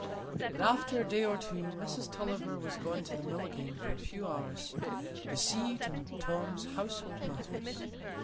But after a day or two Mrs Tulliver was gone to the Mill again for a few hours to see to Tom's household matters.